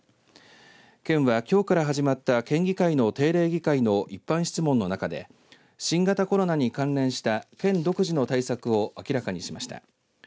県は、きょうから始まった県議会の定例議会の一般質問の中で新型コロナに関連した県独自の対策を明らかにしました。